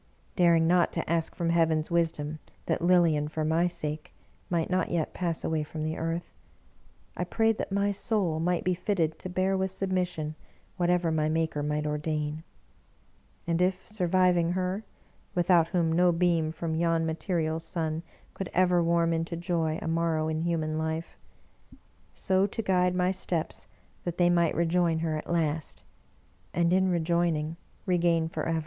Daring not to ask from Heaven's wisdom that Lilian, for my sake, might not yet pass away from the earth, I prayed that my soul might be fitted to bear with submission whatever my Maker might ordain. And if sur viving her — ^without whom no beam from yon material sun could ever warm into joy a morrow in human life — so to guide my steps that they might rejoin her at last, and in rejoining*, regain forever!